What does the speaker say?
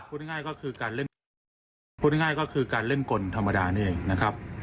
พูดง่ายก็คือการเล่นกลพูดง่ายก็คือการเล่นกลธรรมดานี่เองนะครับ